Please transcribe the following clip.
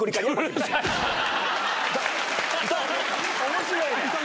面白いな！